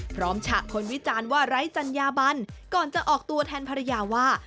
ฉะคนวิจารณ์ว่าไร้จัญญาบันก่อนจะออกตัวแทนภรรยาว่า